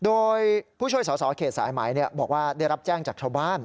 โดยผู้ช่วยสอสอเขตสายไหมบอกว่าได้รับแจ้งจากชาวบ้าน